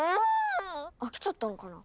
飽きちゃったのかな？